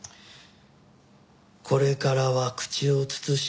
これからは口を慎もう。